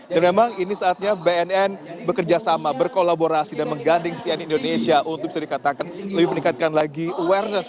dan memang ini saatnya bnn bekerjasama berkolaborasi dan mengganding cnn indonesia untuk bisa dikatakan lebih meningkatkan lagi awareness